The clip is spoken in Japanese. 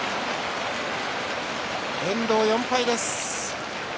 遠藤４敗です。